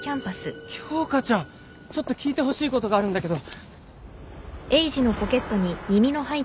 ちょっと聞いてほしいことがあるんだけど